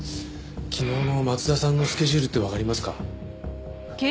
昨日の松田さんのスケジュールってわかりますか？